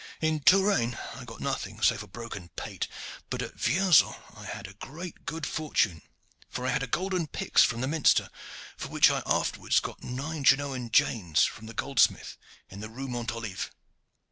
In Touraine I got nothing save a broken pate, but at Vierzon I had a great good fortune, for I had a golden pyx from the minster, for which I afterwards got nine Genoan janes from the goldsmith in the Rue Mont Olive.